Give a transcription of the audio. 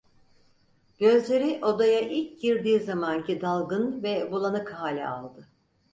Gözleri odaya ilk girdiği zamanki dalgın ve bulanık hali aldı.